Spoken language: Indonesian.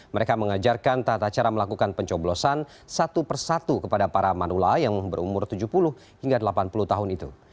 mereka mengajarkan tata cara melakukan pencoblosan satu persatu kepada para manula yang berumur tujuh puluh hingga delapan puluh tahun itu